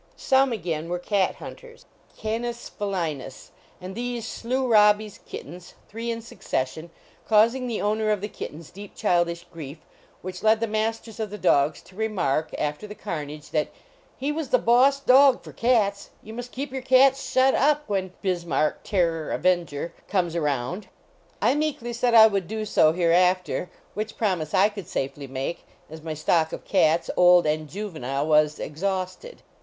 Some again were cat hunters, Canis fc linns, and these slew Robbie s kittens, three in succession, causing the owner of the kittens deep childish grief, which led the masters of the dogs to remark, after the car nage, that " he was the boss dog for cats; you must keep your cats shut up when (Bis marck, Terror, Avenger) comes around." I meekly said I would do so, hereafter, which promise I could safely make, as my stock of cats, old and juvenile, was exhausted.